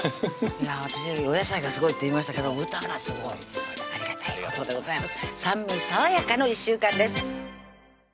私「お野菜がすごい」って言いましたけど豚がすごいありがたいことでございます「酸味さわやか」の１週間です